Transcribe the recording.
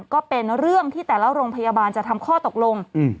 ก็เป็นเรื่องที่แต่ละโรงพยาบาลจะทำข้อตกลง